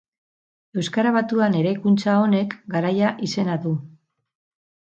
Euskara batuan eraikuntza honek garaia izena du.